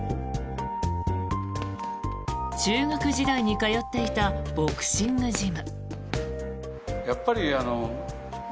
中学時代に通っていたボクシングジム。